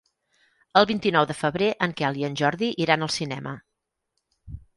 El vint-i-nou de febrer en Quel i en Jordi iran al cinema.